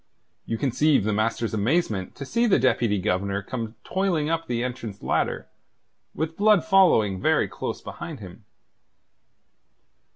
You conceive the master's amazement to see the Deputy Governor come toiling up the entrance ladder, with Blood following very close behind him.